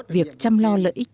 việc chăm lo lợi ích chính đạo